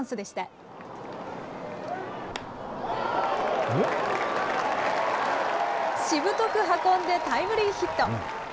しぶとく運んでタイムリーヒット。